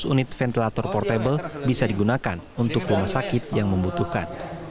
dua ratus unit ventilator portable bisa digunakan untuk rumah sakit yang membutuhkan